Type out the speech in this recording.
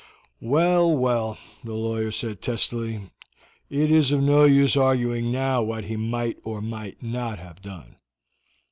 "Well, well," the lawyer said testily, "it is of no use arguing now what he might or might not have done.